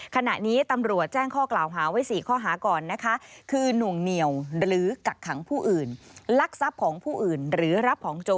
ขณะนี้ตำรวจแจ้งข้อกล่าวหาไว้๔ข้อหาก่อนนะคะ